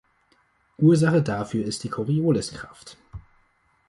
Ursache dafür ist die Corioliskraft.